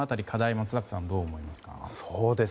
松坂さんどう思われますか。